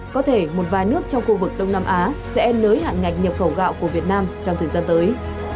có thể một vài nước trong khu vực đông nam á sẽ nới hạn ngạch nhập khẩu gạo của việt nam trong thời gian tới